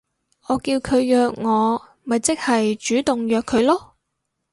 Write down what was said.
我叫佢約我咪即係主動約佢囉